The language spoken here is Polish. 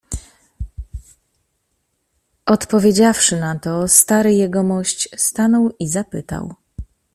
"Odpowiedziawszy na to stary jegomość, stanął i zapytał."